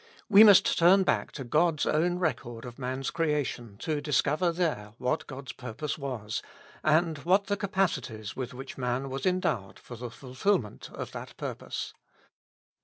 We must turn back to God's own record of man's creation to discover there what God's purpose was, and what the capacities with which man was endowed for the fulfilment of that purpose.